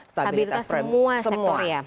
stabilitas semua sektor ya